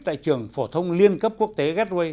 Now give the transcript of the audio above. tại trường phổ thông liên cấp quốc tế gateway